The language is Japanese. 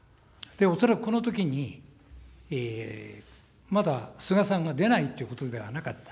恐らくこのときに、まだ菅さんが出ないっていうことではなかった。